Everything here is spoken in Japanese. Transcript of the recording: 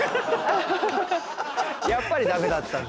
やっぱりダメだったんだ。